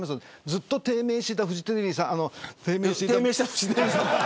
ずっと低迷していたフジテレビさん。